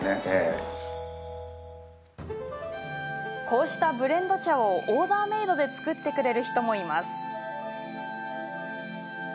こうしたブレンド茶をオーダーメードで作ってくれる人もいます。